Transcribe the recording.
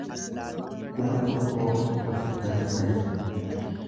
kuma tokkoo fi afurtamii sadii